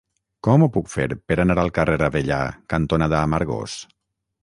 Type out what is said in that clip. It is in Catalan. Com ho puc fer per anar al carrer Avellà cantonada Amargós?